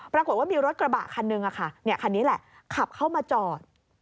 ปรากฏว่ามีรถกระบะคันหนึ่งคันนี้แหละขับเข้ามาจอด